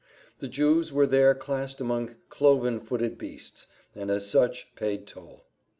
The Jews were there classed among cloven footed beasts, and as such paid toll.